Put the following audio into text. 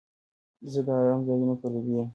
زه د آرامه ځایونو پلوی یم.